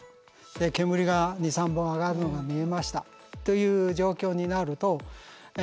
煙が２３本上がるのが見えましたという状況になるとえ